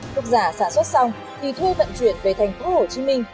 thuốc giả sản xuất xong thì thuê vận chuyển về tp hcm